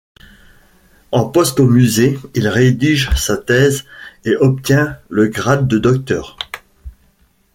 En poste au musée, il rédige sa thèse et obtient le grade de docteur.